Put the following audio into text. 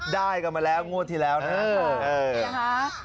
โดนที่แล้วนะครับ